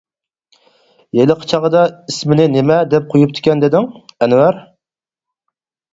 -ھېلىقى چاغدا ئىسمىنى نېمە دەپ قويۇپتىكەن دېدىڭ؟ -ئەنۋەر.